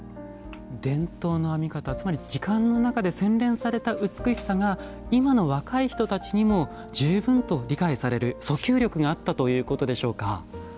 伝統の編み方つまり時間の中で洗練された美しさが今の若い人たちにも十分と理解される訴求力があったということでしょうか？